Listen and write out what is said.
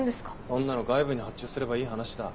そんなの外部に発注すればいい話だ。